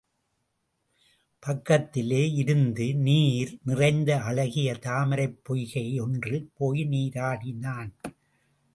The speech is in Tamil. பக்கத்திலே இருந்த நீர் நிறைந்த அழகிய தாமரைப் பொய்கை யொன்றில் போய் நீராடினான்.